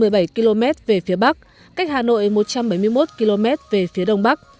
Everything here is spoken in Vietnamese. một mươi bảy km về phía bắc cách hà nội một trăm bảy mươi một km về phía đông bắc